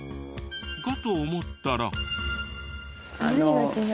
かと思ったら。